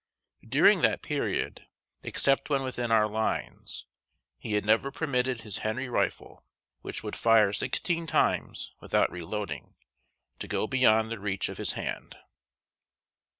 During that period, except when within our lines, he had never permitted his Henry rifle, which would fire sixteen times without reloading, to go beyond the reach of his hand.